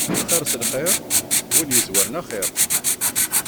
Lxir s lxir, win yezwaren axir.